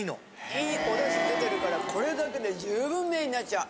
いいお出汁出てるからこれだけで十分メインなっちゃう。